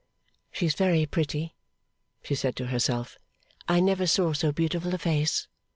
'She is very pretty,' she said to herself. 'I never saw so beautiful a face.